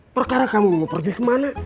perkara kamu mau pergi kemana